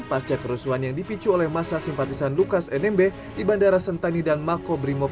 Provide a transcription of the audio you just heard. pasca kerusuhan yang dipicu oleh masa simpatisan lukas nmb di bandara sentani dan makobrimob